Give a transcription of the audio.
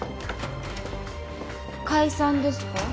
解散ですか？